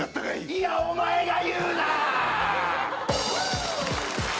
いやお前が言うな！！